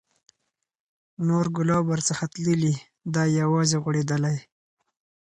نور ګلاب ورڅخه تللي، دی یوازي غوړېدلی